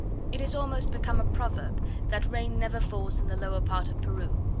It is almost become a proverb, that rain never falls in the lower part of Peru.